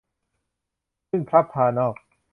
ขึ้นพลับพลานอก